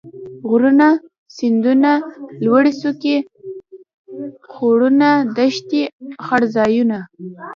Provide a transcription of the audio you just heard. غرونه ،سيندونه ،لوړې څوکي ،خوړونه ،دښتې ،څړ ځايونه